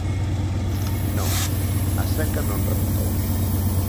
Non, a seca non rematou.